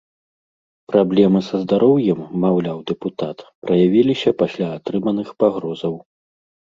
Праблемы са здароўем, маўляў дэпутат, праявіліся пасля атрыманых пагрозаў.